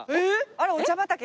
あれお茶畑？